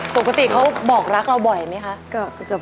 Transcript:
ปกติเขาบอกรักเราบ่อยไหมคะ